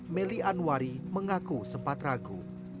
melly anwari mengaku sempat ragu